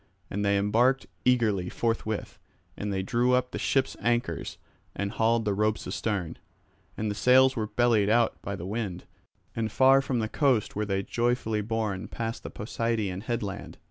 And they embarked eagerly forthwith; and they drew up the ship's anchors and hauled the ropes astern. And the sails were bellied out by the wind, and far from the coast were they joyfully borne past the Posideian headland.